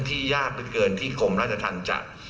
ที่ยากเกินที่กรมราชธรรมจะ